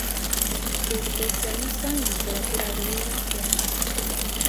Se especializa en literatura griega clásica.